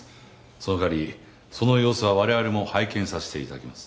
その代わりその様子は我々も拝見させていただきます。